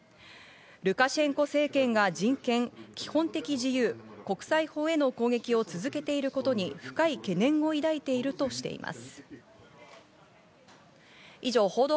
ルカシェンコ政権が人権、基本的自由、国際法への攻撃を続けていることに深い懸念を抱いているとしています。